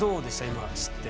今知って。